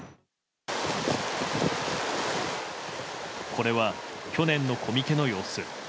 これは去年のコミケの様子。